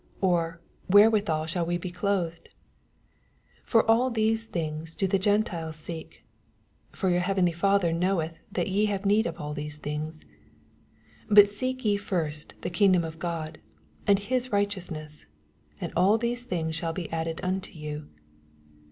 or, Wherewithal shall we be clothed ? 82 (For after all these things do the Gentiles seek :) for your heavenly Father knoweth that ye have need of all these things. 88 But seek y^ first the kingdom of God, and his righteousness ; and all these things shiul be added unto you.